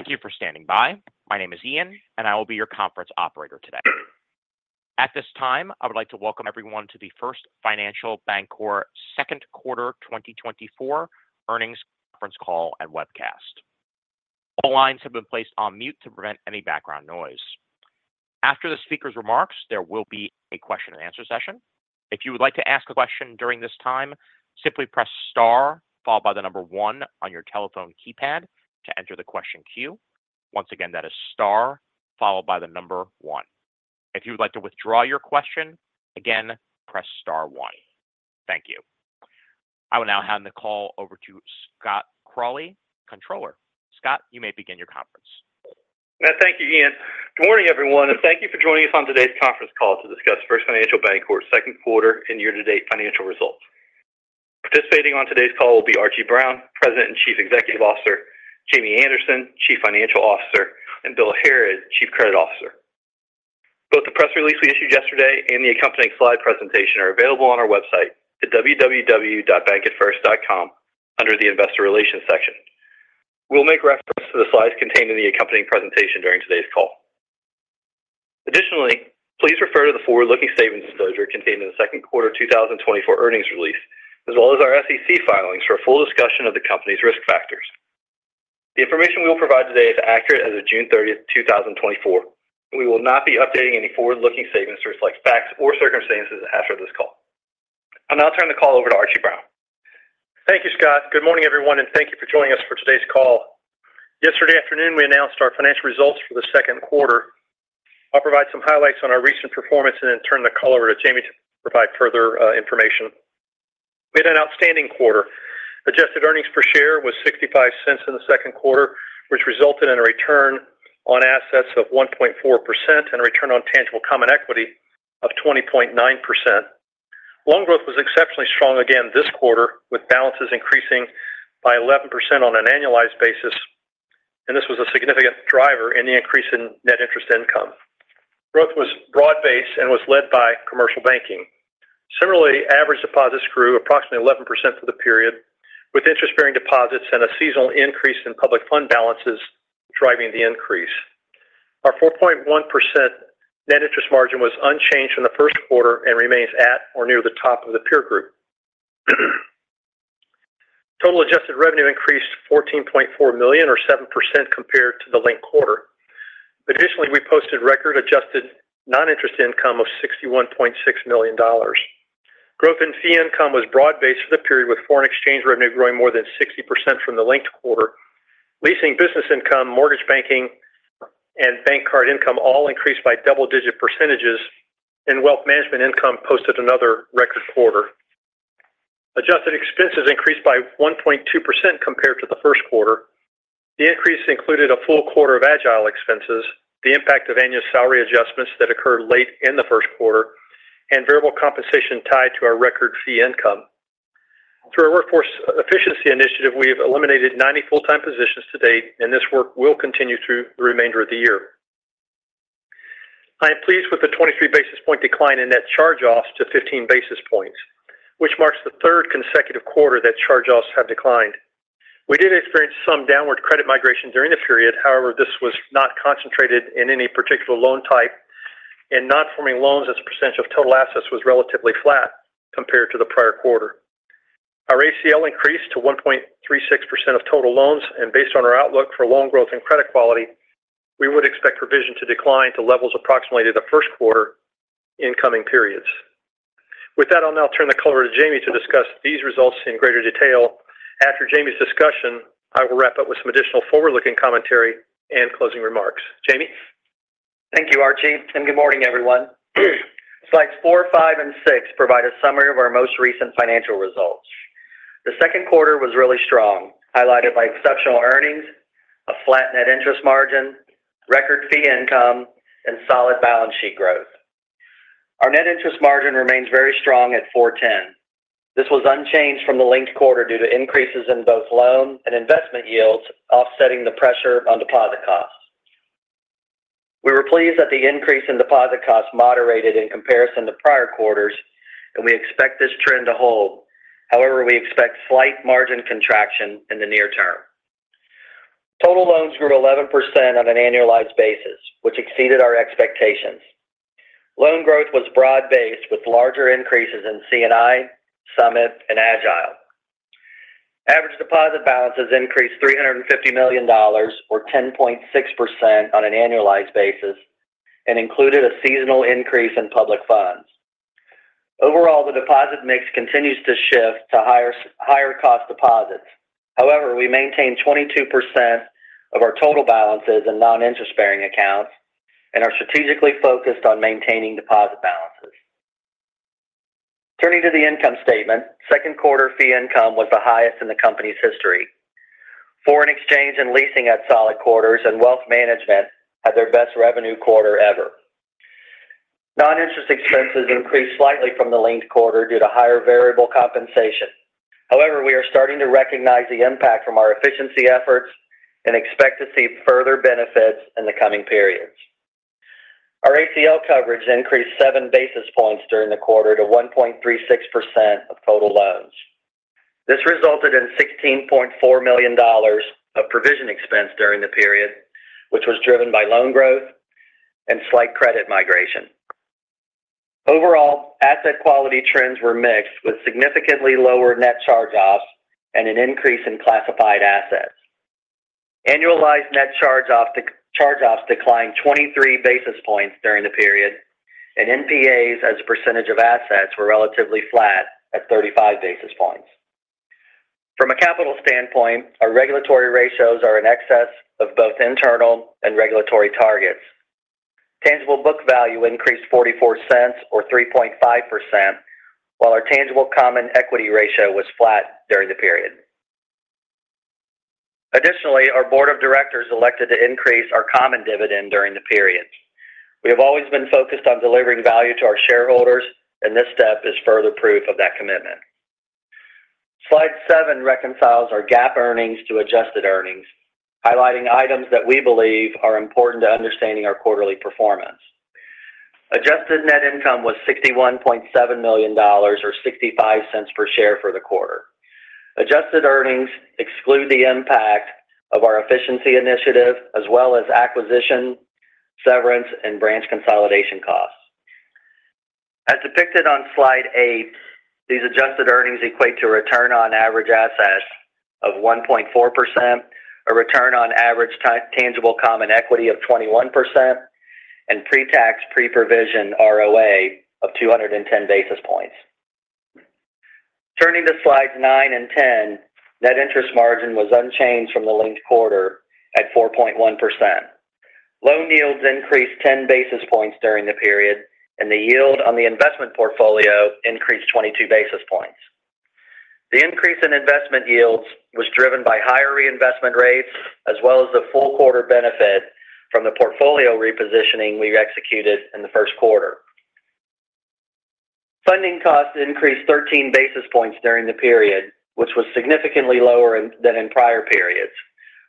Thank you for standing by. My name is Ian, and I will be your conference operator today. At this time, I would like to welcome everyone to the First Financial Bancorp second quarter 2024 earnings conference call and webcast. All lines have been placed on mute to prevent any background noise. After the speaker's remarks, there will be a question and answer session. If you would like to ask a question during this time, simply press star followed by the number one on your telephone keypad to enter the question queue. Once again, that is star followed by the number one. If you would like to withdraw your question, again, press star one. Thank you. I will now hand the call over to Scott Crawley, Controller. Scott, you may begin your conference. Thank you, Ian. Good morning, everyone, and thank you for joining us on today's conference call to discuss First Financial Bancorp's second quarter and year-to-date financial results. Participating on today's call will be Archie Brown, President and Chief Executive Officer; Jamie Anderson, Chief Financial Officer; and Bill Harrod, Chief Credit Officer. Both the press release we issued yesterday and the accompanying slide presentation are available on our website at www.bankatfirst.com under the Investor Relations section. We'll make reference to the slides contained in the accompanying presentation during today's call. Additionally, please refer to the forward-looking statement disclosure contained in the second quarter of 2024 earnings release, as well as our SEC filings for a full discussion of the company's risk factors. The information we will provide today is accurate as of June 30th, 2024. We will not be updating any forward-looking statements to reflect facts or circumstances after this call. I'll now turn the call over to Archie Brown. Thank you, Scott. Good morning, everyone, and thank you for joining us for today's call. Yesterday afternoon, we announced our financial results for the second quarter. I'll provide some highlights on our recent performance and then turn the call over to Jamie to provide further information. We had an outstanding quarter. Adjusted earnings per share was $0.65 in the second quarter, which resulted in a return on assets of 1.4% and a return on tangible common equity of 20.9%. Loan growth was exceptionally strong again this quarter, with balances increasing by 11% on an annualized basis, and this was a significant driver in the increase in net interest income. Growth was broad-based and was led by commercial banking. Similarly, average deposits grew approximately 11% for the period, with interest-bearing deposits and a seasonal increase in public fund balances driving the increase. Our 4.1% net interest margin was unchanged in the first quarter and remains at or near the top of the peer group. Total adjusted revenue increased $14.4 million, or 7% compared to the linked quarter. Additionally, we posted record adjusted non-interest income of $61.6 million. Growth in fee income was broad-based for the period, with foreign exchange revenue growing more than 60% from the linked quarter. Leasing business income, mortgage banking, and bank card income all increased by double-digit percentages, and wealth management income posted another record quarter. Adjusted expenses increased by 1.2% compared to the first quarter. The increase included a full quarter of Agile expenses, the impact of annual salary adjustments that occurred late in the first quarter, and variable compensation tied to our record fee income. Through our workforce efficiency initiative, we have eliminated 90 full-time positions to date, and this work will continue through the remainder of the year. I am pleased with the 23 basis point decline in net charge-offs to 15 basis points, which marks the third consecutive quarter that charge-offs have declined. We did experience some downward credit migration during the period. However, this was not concentrated in any particular loan type, and non-performing loans as a percentage of total assets was relatively flat compared to the prior quarter. Our ACL increased to 1.36% of total loans, and based on our outlook for loan growth and credit quality, we would expect provision to decline to levels approximately the first quarter in coming periods. With that, I'll now turn the call over to Jamie to discuss these results in greater detail. After Jamie's discussion, I will wrap up with some additional forward-looking commentary and closing remarks. Jamie? Thank you, Archie, and good morning, everyone. Slides four, five, and six provide a summary of our most recent financial results. The second quarter was really strong, highlighted by exceptional earnings, a flat net interest margin, record fee income, and solid balance sheet growth. Our net interest margin remains very strong at 4.10%. This was unchanged from the linked quarter due to increases in both loan and investment yields, offsetting the pressure on deposit costs. We were pleased that the increase in deposit costs moderated in comparison to prior quarters, and we expect this trend to hold. However, we expect slight margin contraction in the near term. Total loans grew 11% on an annualized basis, which exceeded our expectations. Loan growth was broad-based, with larger increases in C&I, Summit, and Agile. Average deposit balances increased $350 million or 10.6% on an annualized basis and included a seasonal increase in public funds. Overall, the deposit mix continues to shift to higher cost deposits. However, we maintain 22% of our total balances in non-interest-bearing accounts and are strategically focused on maintaining deposit balances. Turning to the income statement, second quarter fee income was the highest in the company's history. Foreign exchange and leasing had solid quarters, and wealth management had their best revenue quarter ever. Non-interest expenses increased slightly from the linked quarter due to higher variable compensation. However, we are starting to recognize the impact from our efficiency efforts and expect to see further benefits in the coming periods. Our ACL coverage increased seven basis points during the quarter to 1.36% of total loans. This resulted in $16.4 million of provision expense during the period, which was driven by loan growth and slight credit migration. Overall, asset quality trends were mixed, with significantly lower net charge-offs and an increase in classified assets. Annualized net charge-offs declined 23 basis points during the period, and NPAs as a percentage of assets were relatively flat at 35 basis points. From a capital standpoint, our regulatory ratios are in excess of both internal and regulatory targets. Tangible book value increased $0.44, or 3.5%, while our tangible common equity ratio was flat during the period. Additionally, our board of directors elected to increase our common dividend during the period. We have always been focused on delivering value to our shareholders, and this step is further proof of that commitment. Slide 7 reconciles our GAAP earnings to adjusted earnings, highlighting items that we believe are important to understanding our quarterly performance. Adjusted net income was $61.7 million, or $0.65 per share for the quarter. Adjusted earnings exclude the impact of our efficiency initiative, as well as acquisition, severance, and branch consolidation costs. As depicted on Slide 8, these adjusted earnings equate to a return on average assets of 1.4%, a return on average tangible common equity of 21%, and pre-tax pre-provision ROA of 210 basis points. Turning to Slides 9 and 10, net interest margin was unchanged from the linked quarter at 4.1%. Loan yields increased 10 basis points during the period, and the yield on the investment portfolio increased 22 basis points. The increase in investment yields was driven by higher reinvestment rates, as well as the full quarter benefit from the portfolio repositioning we executed in the first quarter. Funding costs increased 13 basis points during the period, which was significantly lower than in prior periods.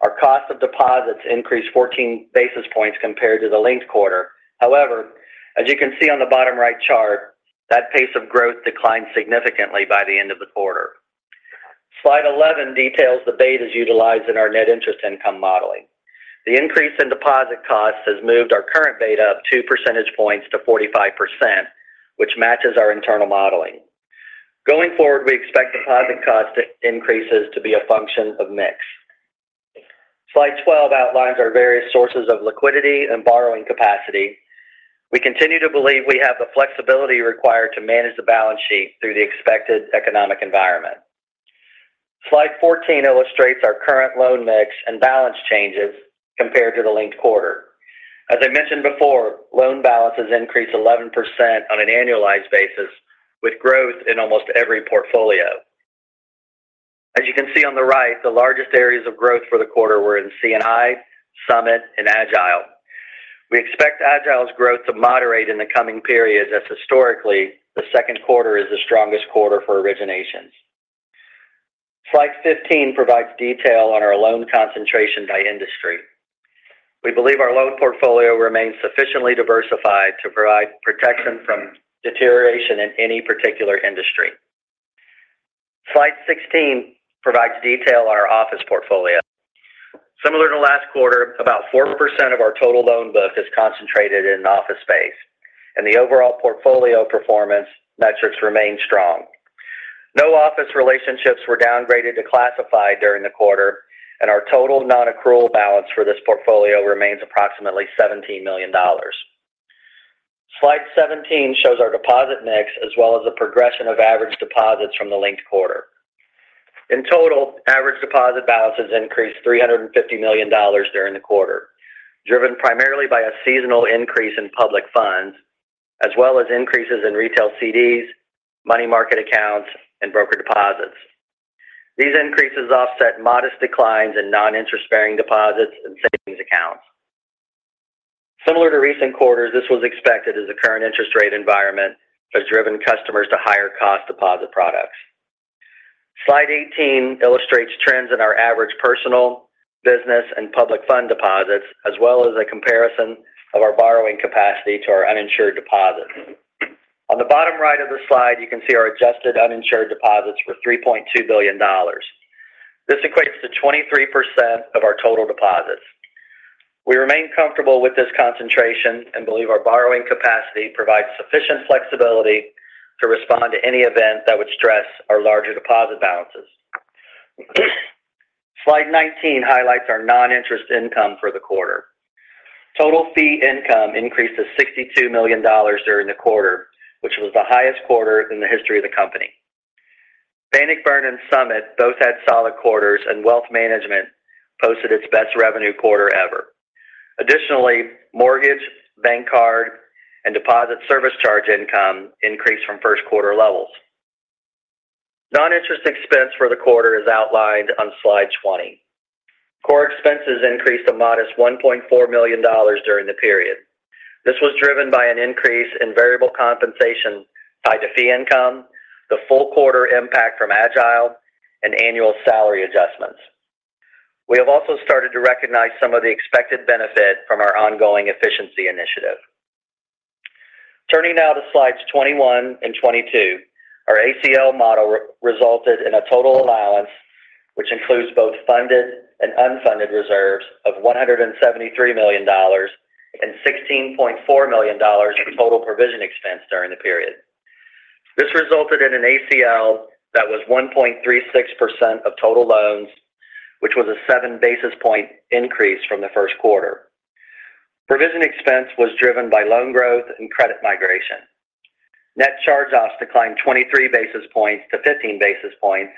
Our cost of deposits increased 14 basis points compared to the linked quarter. However, as you can see on the bottom right chart, that pace of growth declined significantly by the end of the quarter. Slide 11 details the betas utilized in our net interest income modeling. The increase in deposit costs has moved our current beta up 2 percentage points to 45%, which matches our internal modeling. Going forward, we expect deposit cost increases to be a function of mix. Slide 12 outlines our various sources of liquidity and borrowing capacity. We continue to believe we have the flexibility required to manage the balance sheet through the expected economic environment. Slide 14 illustrates our current loan mix and balance changes compared to the linked quarter. As I mentioned before, loan balances increased 11% on an annualized basis, with growth in almost every portfolio. As you can see on the right, the largest areas of growth for the quarter were in C&I, Summit, and Agile. We expect Agile's growth to moderate in the coming periods, as historically, the second quarter is the strongest quarter for originations. Slide 15 provides detail on our loan concentration by industry. We believe our loan portfolio remains sufficiently diversified to provide protection from deterioration in any particular industry. Slide 16 provides detail on our office portfolio. Similar to last quarter, about 4% of our total loan book is concentrated in office space, and the overall portfolio performance metrics remain strong. No office relationships were downgraded to classified during the quarter, and our total non-accrual balance for this portfolio remains approximately $17 million. Slide 17 shows our deposit mix, as well as the progression of average deposits from the linked quarter. In total, average deposit balances increased $350 million during the quarter, driven primarily by a seasonal increase in public funds, as well as increases in retail CDs, money market accounts, and broker deposits. These increases offset modest declines in non-interest-bearing deposits and savings accounts. Similar to recent quarters, this was expected as the current interest rate environment has driven customers to higher cost deposit products. Slide 18 illustrates trends in our average personal, business, and public fund deposits, as well as a comparison of our borrowing capacity to our uninsured deposits. On the bottom right of the slide, you can see our adjusted uninsured deposits were $3.2 billion. This equates to 23% of our total deposits. We remain comfortable with this concentration and believe our borrowing capacity provides sufficient flexibility to respond to any event that would stress our larger deposit balances. Slide 19 highlights our non-interest income for the quarter. Total fee income increased to $62 million during the quarter, which was the highest quarter in the history of the company. Bannockburn and Summit both had solid quarters, and Wealth Management posted its best revenue quarter ever. Additionally, mortgage, bank card, and deposit service charge income increased from first quarter levels. Non-interest expense for the quarter is outlined on Slide 20. Core expenses increased a modest $1.4 million during the period. This was driven by an increase in variable compensation tied to fee income, the full quarter impact from Agile, and annual salary adjustments. We have also started to recognize some of the expected benefit from our ongoing efficiency initiative. Turning now to slides 21 and 22. Our ACL model re-resulted in a total allowance, which includes both funded and unfunded reserves of $173 million and $16.4 million in total provision expense during the period. This resulted in an ACL that was 1.36% of total loans, which was a 7 basis point increase from the first quarter. Provision expense was driven by loan growth and credit migration. Net charge-offs declined 23 basis points to 15 basis points,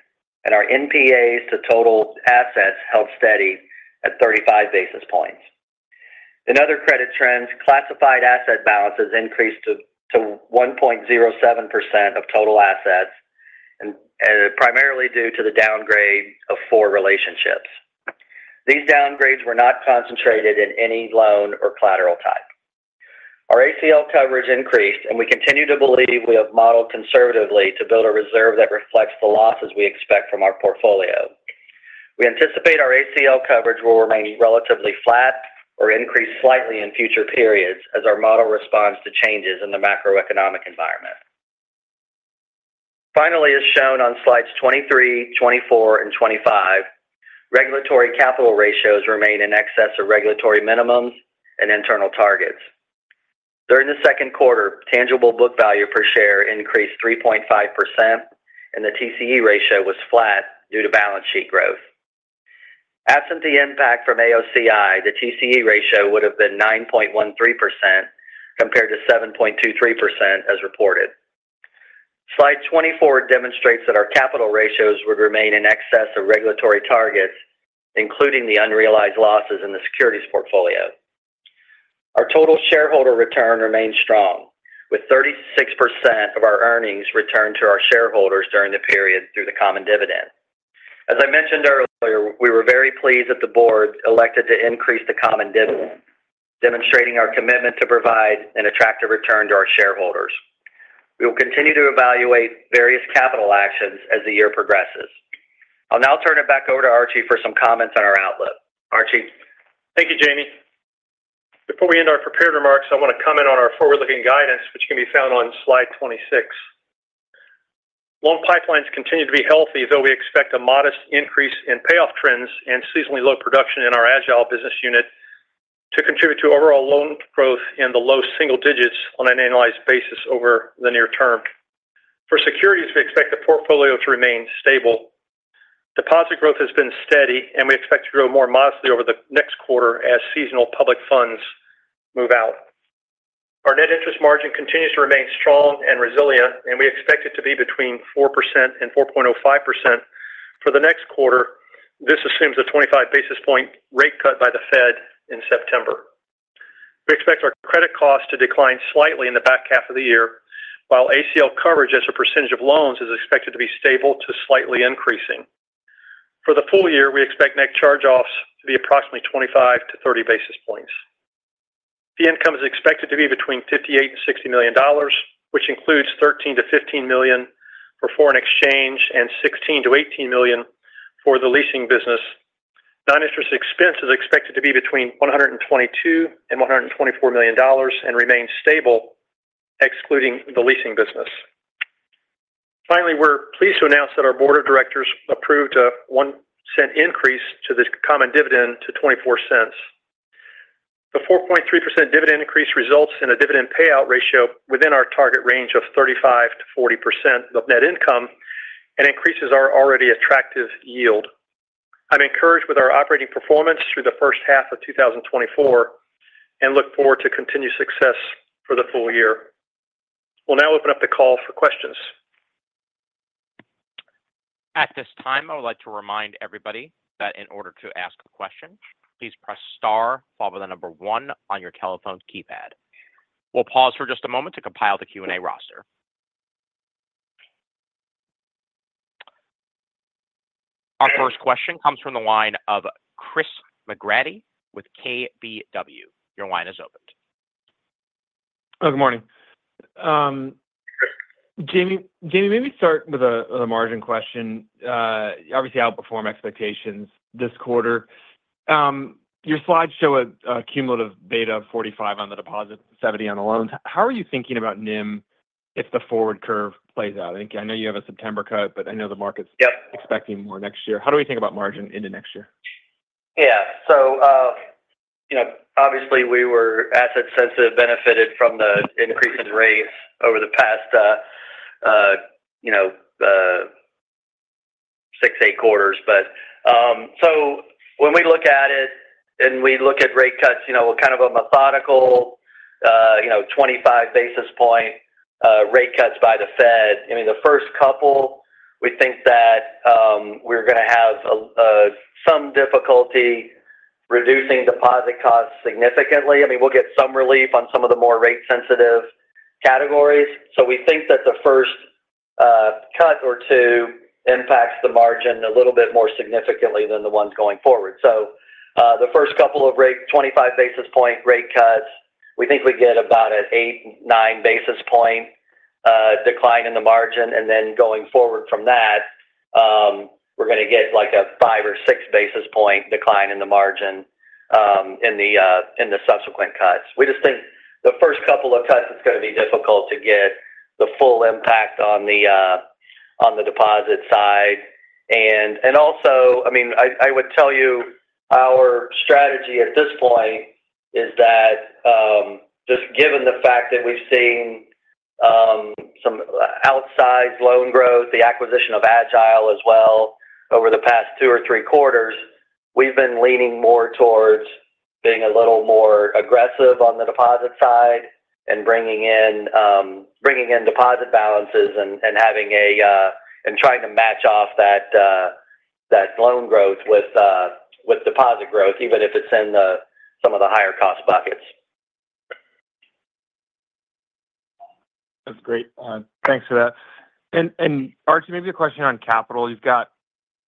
and our NPAs to total assets held steady at 35 basis points. In other credit trends, classified asset balances increased to 1.07% of total assets, and primarily due to the downgrade of four relationships. These downgrades were not concentrated in any loan or collateral type. Our ACL coverage increased, and we continue to believe we have modeled conservatively to build a reserve that reflects the losses we expect from our portfolio. We anticipate our ACL coverage will remain relatively flat or increase slightly in future periods as our model responds to changes in the macroeconomic environment. Finally, as shown on slides 23, 24, and 25, regulatory capital ratios remain in excess of regulatory minimums and internal targets. During the second quarter, tangible book value per share increased 3.5%, and the TCE ratio was flat due to balance sheet growth. Absent the impact from AOCI, the TCE ratio would have been 9.13% compared to 7.23% as reported. Slide 24 demonstrates that our capital ratios would remain in excess of regulatory targets, including the unrealized losses in the securities portfolio. Our total shareholder return remains strong, with 36% of our earnings returned to our shareholders during the period through the common dividend. As I mentioned earlier, we were very pleased that the board elected to increase the common dividend, demonstrating our commitment to provide an attractive return to our shareholders. We will continue to evaluate various capital actions as the year progresses. I'll now turn it back over to Archie for some comments on our outlook. Archie? Thank you, Jamie. Before we end our prepared remarks, I want to comment on our forward-looking guidance, which can be found on slide 26. Loan pipelines continue to be healthy, though we expect a modest increase in payoff trends and seasonally low production in our Agile business unit to contribute to overall loan growth in the low single-digits on an annualized basis over the near term. For securities, we expect the portfolio to remain stable. Deposit growth has been steady, and we expect to grow more modestly over the next quarter as seasonal public funds move out. Our net interest margin continues to remain strong and resilient, and we expect it to be between 4% and 4.05% for the next quarter. This assumes a 25 basis point rate cut by the Fed in September. We expect our credit costs to decline slightly in the back half of the year, while ACL coverage as a percentage of loans is expected to be stable to slightly increasing. For the full year, we expect net charge-offs to be approximately 25-30 basis points. The income is expected to be between $58 million-$60 million, which includes $13 million-$15 million for foreign exchange and $16 million-$18 million for the leasing business. Non-interest expense is expected to be between $122 million and $124 million and remain stable, excluding the leasing business. Finally, we're pleased to announce that our board of directors approved a $0.01 increase to the common dividend to $0.24. The 4.3% dividend increase results in a dividend payout ratio within our target range of 35%-40% of net income and increases our already attractive yield. I'm encouraged with our operating performance through the first half of 2024 and look forward to continued success for the full year. We'll now open up the call for questions. At this time, I would like to remind everybody that in order to ask a question, please press star, followed by the number one on your telephone keypad. We'll pause for just a moment to compile the Q&A roster. Our first question comes from the line of Chris McGratty with KBW. Your line is open. Good morning. Jamie, maybe start with a margin question. Obviously, outperform expectations this quarter. Your slides show a cumulative beta of 45 on the deposit, 70 on the loans. How are you thinking about NIM if the forward curve plays out? I think I know you have a September cut, but I know the market's expecting more next year. How do we think about margin into next year? Yeah. So, you know, obviously, we were asset sensitive, benefited from the increase in rates over the past, you know, six, eight quarters. But, so when we look at it and we look at rate cuts, you know, kind of a methodical, you know, 25 basis point rate cuts by the Fed, I mean, the first couple, we think that, we're going to have a, some difficulty reducing deposit costs significantly. I mean, we'll get some relief on some of the more rate-sensitive categories. So, we think that the first, cut or two impacts the margin a little bit more significantly than the ones going forward. So, the first couple of 25 basis point rate cuts, we think we get about an 8-9 basis point decline in the margin, and then going forward from that, we're going to get, like, a 5 or 6 basis point decline in the margin, in the subsequent cuts. We just think the first couple of cuts, it's going to be difficult to get the full impact on the deposit side. Also, I mean, I would tell you our strategy at this point is that, just given the fact that we've seen some outsized loan growth, the acquisition of Agile as well over the past two or three quarters, we've been leaning more towards being a little more aggressive on the deposit side and bringing in deposit balances and trying to match off that loan growth with deposit growth, even if it's in some of the higher cost buckets. That's great. Thanks for that. And, Archie, maybe a question on capital. You've got,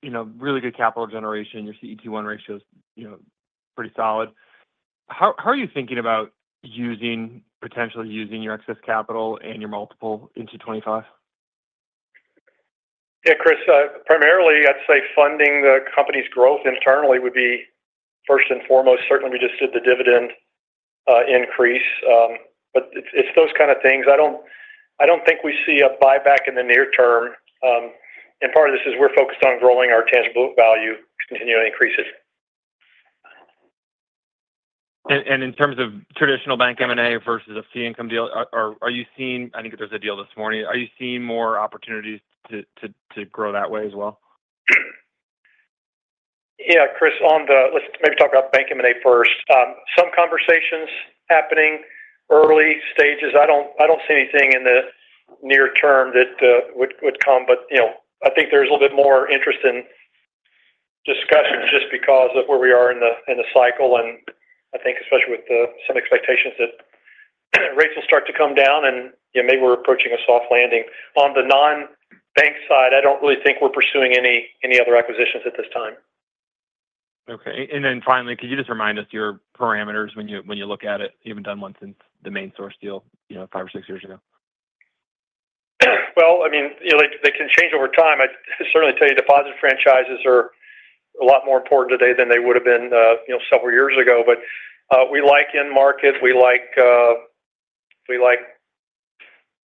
you know, really good capital generation. Your CET1 ratio is, you know, pretty solid. How are you thinking about using, potentially using your excess capital and your multiple into 2025? Yeah, Chris, primarily, I'd say funding the company's growth internally would be first and foremost. Certainly, we just did the dividend increase, but it's those kind of things. I don't think we see a buyback in the near term, and part of this is we're focused on growing our tangible value, continuing to increase it. In terms of traditional bank M&A versus a fee income deal, are you seeing. I think there's a deal this morning. Are you seeing more opportunities to grow that way as well? Yeah, Chris, on the, let's maybe talk about bank M&A first. Some conversations happening, early stages. I don't see anything in the near term that would come but, you know, I think there's a little bit more interest in discussions just because of where we are in the, in the cycle, and I think especially with the some expectations that rates will start to come down, and, you know, maybe we're approaching a soft landing. On the non-bank side, I don't really think we're pursuing any other acquisitions at this time. Okay. Finally, could you just remind us your parameters when you look at it? You haven't done one since the MainSource deal, you know, five or six years ago. Well, I mean, you know, they, they can change over time. I'd certainly tell you, deposit franchises are a lot more important today than they would have been, you know, several years ago. But, we like in-market, we like, we like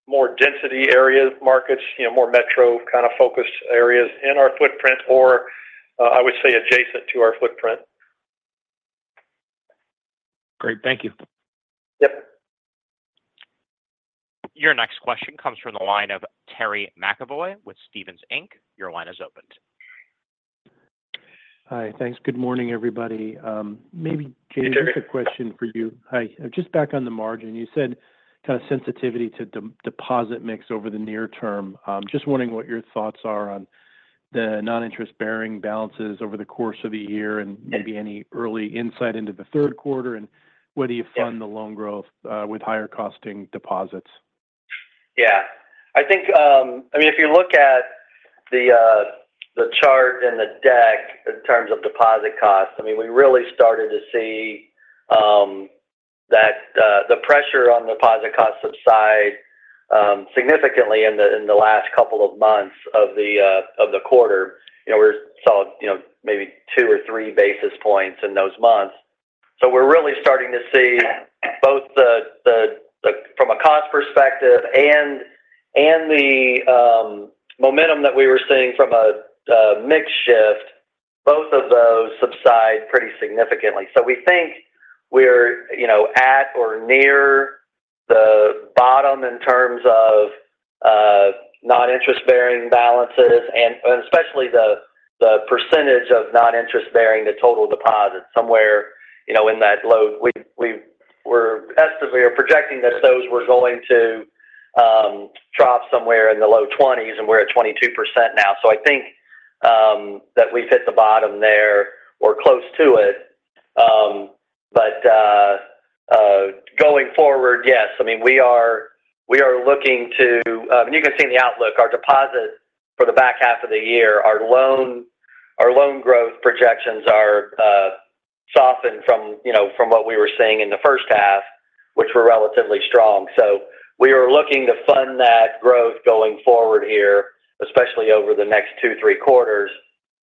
more density areas, markets, you know, more metro kind of focused areas in our footprint or, I would say adjacent to our footprint. Great. Thank you. Yep. Your next question comes from the line of Terry McEvoy with Stephens Inc. Your line is opened. Hi. Thanks. Good morning, everybody. Maybe, Jamie Here's a question for you. Hi, just back on the margin, you said kind of sensitivity to deposit mix over the near term. Just wondering what your thoughts are on the non-interest-bearing balances over the course of the year, and maybe any early insight into the third quarter, and whether you fund the loan growth with higher costing deposits. Yeah. I think, I mean, if you look at the chart and the deck in terms of deposit costs, I mean, we really started to see that the pressure on deposit costs subside significantly in the last couple of months of the quarter. You know, we saw, you know, maybe two or three basis points in those months. So, we're really starting to see both the from a cost perspective and the momentum that we were seeing from a mix shift, both of those subside pretty significantly. So, we think we're, you know, at or near the bottom in terms of non-interest-bearing balances and especially the percentage of non-interest-bearing the total deposits somewhere, you know, in that low. We're estimating or projecting that those were going to drop somewhere in the low 20s, and we're at 22% now. So, I think, that we've hit the bottom there or close to it. But going forward, yes, I mean, we are looking to. And you can see in the outlook, our deposits for the back half of the year, our loan growth projections are softened from, you know, from what we were seeing in the first half, which were relatively strong. So, we are looking to fund that growth going forward here, especially over the next two, three quarters,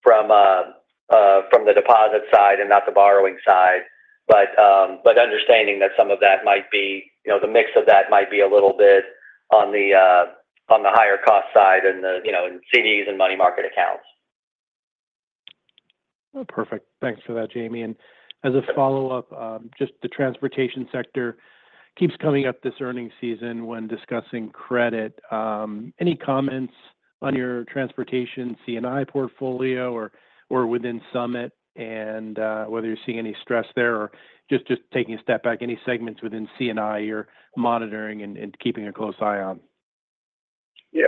from the deposit side and not the borrowing side. But understanding that some of that might be, you know, the mix of that might be a little bit on the higher cost side and, you know, in CDs and money market accounts. Perfect. Thanks for that, Jamie. And as a follow-up, just the transportation sector keeps coming up this earnings season when discussing credit. Any comments on your transportation C&I portfolio or within Summit, and whether you're seeing any stress there or just taking a step back, any segments within C&I you're monitoring and keeping a close eye on? Yeah.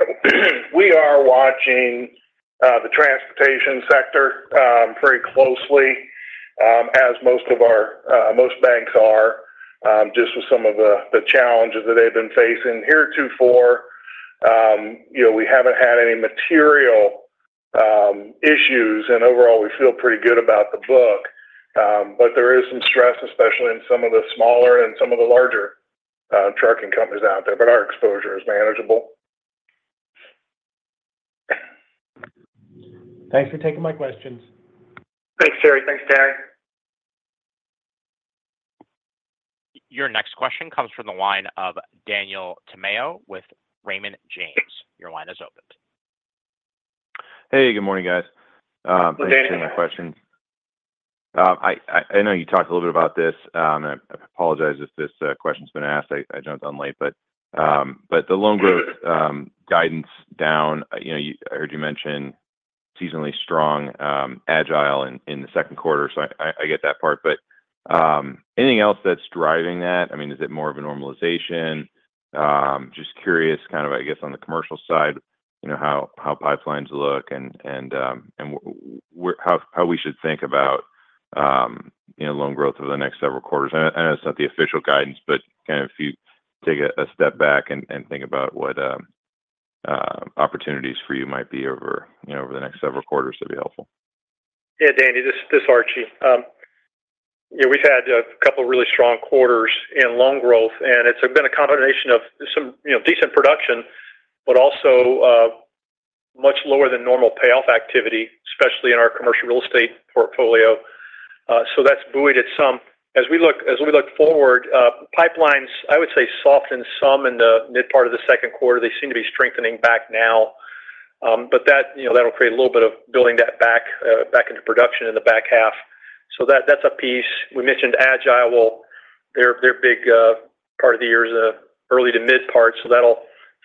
We are watching the transportation sector very closely, as most of our most banks are, just with some of the challenges that they've been facing. Heretofore, you know, we haven't had any material issues, and overall, we feel pretty good about the book. But there is some stress, especially in some of the smaller and some of the larger trucking companies out there, but our exposure is manageable. Thanks for taking my questions. Thanks, Terry. Thanks, Terry. Your next question comes from the line of Daniel Tamayo with Raymond James. Your line is opened. Hey, good morning, guys. Thanks for taking my questions. I know you talked a little bit about this, and I apologize if this question's been asked. I jumped on late, but the loan growth guidance down, you know, I heard you mention seasonally strong agile in the second quarter, so I get that part. But anything else that's driving that? I mean, is it more of a normalization? Just curious, kind of, I guess, on the commercial side, you know, how pipelines look and how we should think about, you know, loan growth over the next several quarters. I know it's not the official guidance, but kind of if you take a step back and think about what opportunities for you might be over, you know, over the next several quarters, that'd be helpful. Yeah, Danny, this is Archie. Yeah, we've had a couple of really strong quarters in loan growth, and it's been a combination of some, you know, decent production, but also, much lower-than-normal payoff activity, especially in our commercial real estate portfolio. So, that's buoyed at some. As we look forward, pipelines, I would say, softened some in the mid part of the second quarter. They seem to be strengthening back now, but that, you know, that'll create a little bit of building that back, back into production in the back half. So, that's a piece. We mentioned Agile. Well, their big part of the year is early to mid-part, so that'll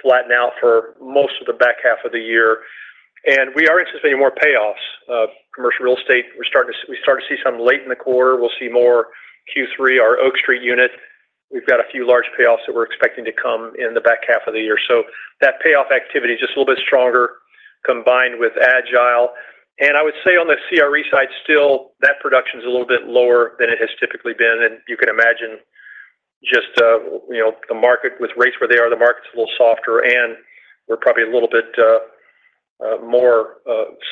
flatten out for most of the back half of the year. And we are anticipating more payoffs. Commercial real estate, we're starting to see some late in the quarter. We'll see more Q3, our Oak Street unit. We've got a few large payoffs that we're expecting to come in the back half of the year. So, that payoff activity is just a little bit stronger, combined with Agile. And I would say on the CRE side, still, that production is a little bit lower than it has typically been. And you can imagine just, you know, the market with rates where they are, the market's a little softer, and we're probably a little bit more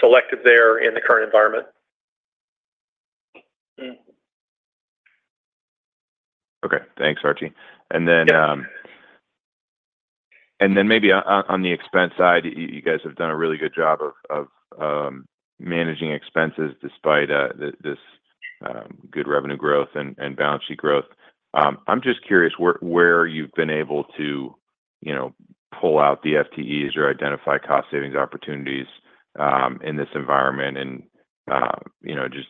selective there in the current environment. Okay. Thanks, Archie. And then maybe on the expense side, you guys have done a really good job of managing expenses despite this good revenue growth and balance sheet growth. I'm just curious where you've been able to, you know, pull out the FTEs or identify cost savings opportunities in this environment. And you know, just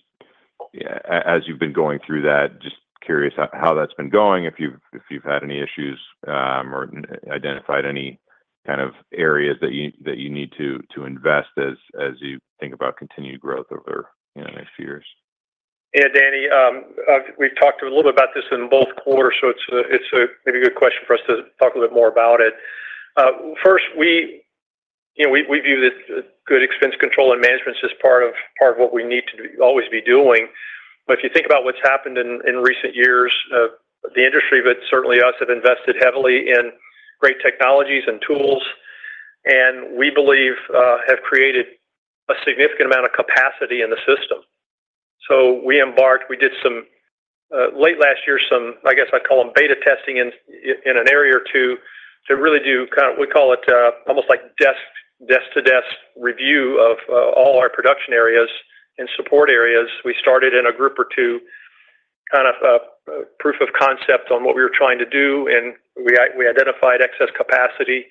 as you've been going through that, just curious how that's been going, if you've had any issues or identified any kind of areas that you need to invest as you think about continued growth over, you know, the next years. Yeah, Danny, we've talked a little bit about this in both quarters, so it's a maybe good question for us to talk a little bit more about it. First, we, you know, we view this, good expense control and management as part of what we need to do, always be doing. But if you think about what's happened in recent years, the industry, but certainly us, have invested heavily in great technologies and tools, and we believe, have created a significant amount of capacity in the system. So, we embarked, we did some, late last year, some, I guess I'd call them beta testing in, in an area or two, to really do kind of, we call it, almost like desk-to-desk review of, all our production areas and support areas. We started in a group or two, kind of a proof of concept on what we were trying to do, and we identified excess capacity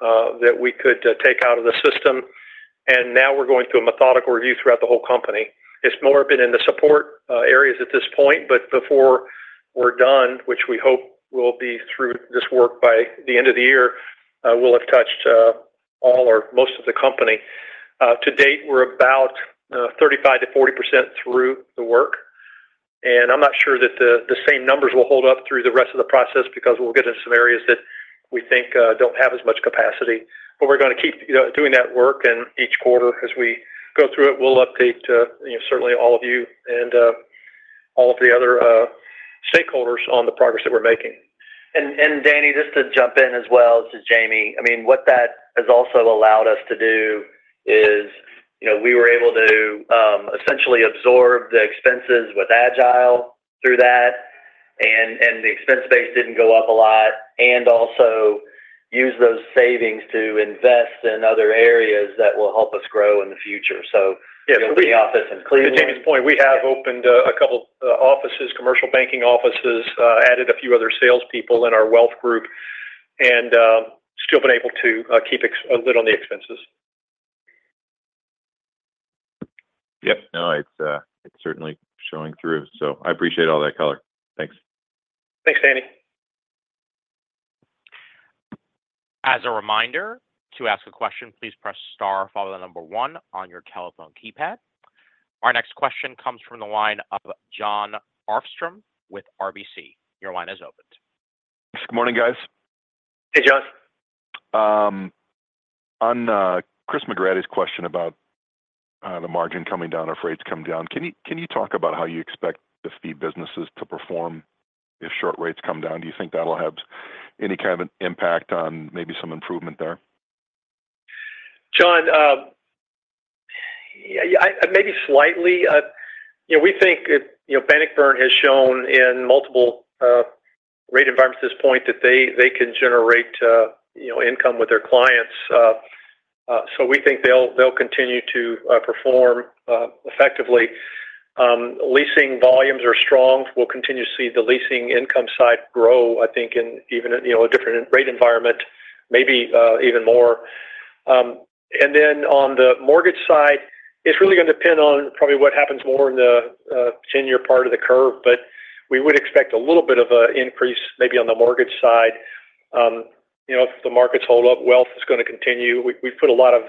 that we could take out of the system, and now we're going through a methodical review throughout the whole company. It's more been in the support areas at this point, but before we're done, which we hope will be through this work by the end of the year, we'll have touched all or most of the company. To date, we're about 35%-40% through the work, and I'm not sure that the same numbers will hold up through the rest of the process because we'll get into some areas that we think don't have as much capacity. But we're going to keep, you know, doing that work, and each quarter, as we go through it, we'll update, you know, certainly all of you and all of the other stakeholders on the progress that we're making. And, Danny, just to jump in as well to Jamie, I mean, what that has also allowed us to do is, you know, we were able to essentially absorb the expenses with Agile through that, and the expense base didn't go up a lot, and also, use those savings to invest in other areas that will help us grow in the future. So, The office in Cleveland. To Jamie's point, we have opened a couple offices, commercial banking offices, added a few other salespeople in our wealth group, and still been able to keep a lid on the expenses. Yep. No, it's certainly showing through, so I appreciate all that color. Thanks. Thanks, Danny. As a reminder, to ask a question, please press star, follow the number one on your telephone keypad. Our next question comes from the line of Jon Arfstrom with RBC. Your line is opened. Good morning, guys. Hey, Jon. On Chris McGratty's question about the margin coming down or rates coming down, can you talk about how you expect the fee businesses to perform? If short rates come down, do you think that'll have any kind of an impact on maybe some improvement there? John, yeah, I, maybe slightly. You know, we think, you know, Bannockburn has shown in multiple, rate environments at this point that they can generate, you know, income with their clients. So, we think they'll continue to perform, effectively. Leasing volumes are strong. We'll continue to see the leasing income side grow, I think, in even, you know, a different rate environment, maybe, even more. And then on the mortgage side, it's really going to depend on probably what happens more in the ten-year part of the curve, but we would expect a little bit of an increase maybe on the mortgage side. You know, if the markets hold up, wealth is going to continue. We've put a lot of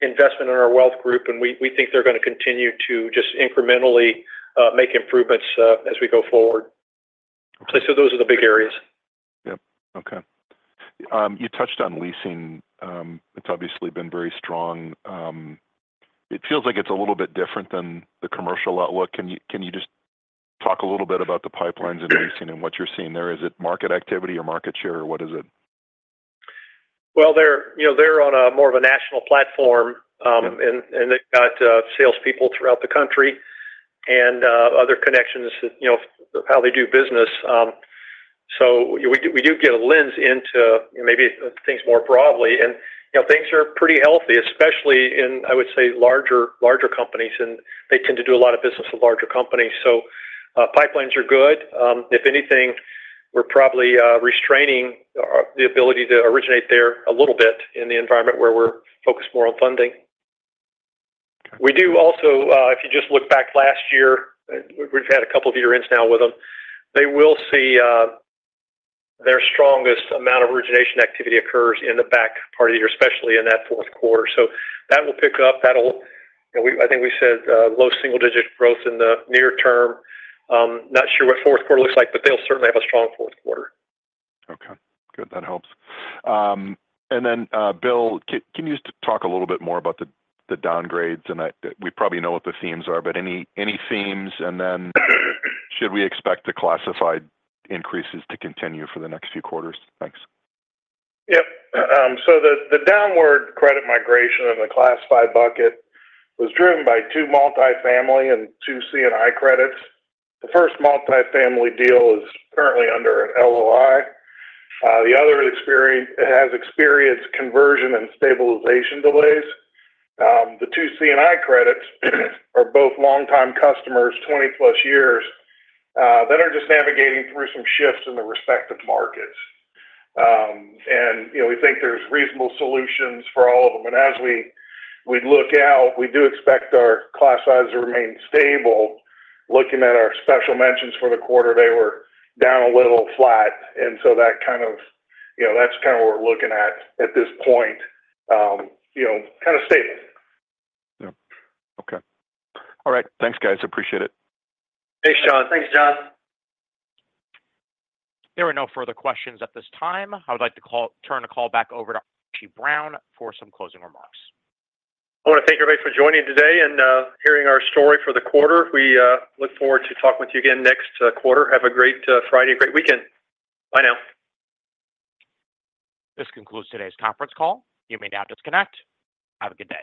investment in our wealth group, and we think they're going to continue to just incrementally make improvements as we go forward. So, those are the big areas. Yep. Okay. You touched on leasing. It's obviously been very strong. It feels like it's a little bit different than the commercial outlook. Can you just talk a little bit about the pipelines in leasing and what you're seeing there? Is it market activity or market share, or what is it? Well, you know, they're on a more of a national platform, and they've got salespeople throughout the country and other connections, you know, how they do business. So, we do get a lens into maybe things more broadly, and, you know, things are pretty healthy, especially in, I would say, larger companies, and they tend to do a lot of business with larger companies. So, pipelines are good. If anything, we're probably restraining the ability to originate there a little bit in the environment where we're focused more on funding. We do also, if you just look back last year, we've had a couple of year-ends now with them. They will see their strongest amount of origination activity occurs in the back part of the year, especially in that fourth quarter. So, that will pick up. I think we said, low single-digit growth in the near term. Not sure what fourth quarter looks like, but they'll certainly have a strong fourth quarter. Okay, good. That helps. And then, Bill, can you just talk a little bit more about the downgrades and we probably know what the themes are, but any themes, and then should we expect the classified increases to continue for the next few quarters? Thanks. Yep. So, the downward credit migration in the classified bucket was driven by two multifamily and two C&I credits. The first multifamily deal is currently under an LOI. The other has experienced conversion and stabilization delays. The two C&I credits are both longtime customers, 20-plus years, that are just navigating through some shifts in the respective markets. And, you know, we think there's reasonable solutions for all of them. And as we look out, we do expect our classified size to remain stable. Looking at our special mentions for the quarter, they were down a little flat, and so that kind of, you know, that's kind of what we're looking at this point. You know, kind of stable. Yep. Okay. All right. Thanks, guys. Appreciate it. Thanks, John. Thanks, John. There are no further questions at this time. I would like to turn the call back over to Archie Brown for some closing remarks. I want to thank everybody for joining today and hearing our story for the quarter. We look forward to talking with you again next quarter. Have a great Friday, a great weekend. Bye now. This concludes today's conference call. You may now disconnect. Have a good day.